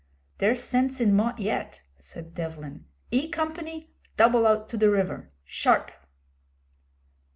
'There's sense in Mott yet,' said Devlin. 'E Company, double out to the river sharp!'